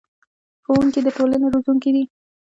ښوونکي د ټولنې روزونکي دي